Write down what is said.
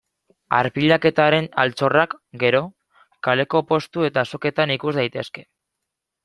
Arpilaketaren altxorrak, gero, kaleko postu eta azoketan ikus daitezke.